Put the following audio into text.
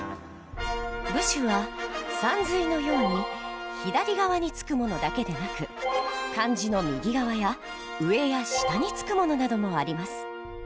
部首は「さんずい」のように左側につくものだけでなく漢字の右側や上や下につくものなどもあります。